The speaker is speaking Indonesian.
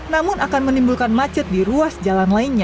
namun akan menimbulkan macet di ruas jalan lainnya